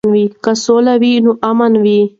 که سوله وي نو امان وي.